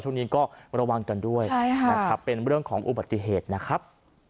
ช่วงนี้ก็ระวังกันด้วยนะครับเป็นเรื่องของอุบัติเหตุนะครับ